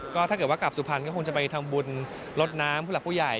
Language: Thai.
ก็ถ้าเกิดว่ากลับสุพรรณก็คงจะไปทำบุญลดน้ำผู้หลักผู้ใหญ่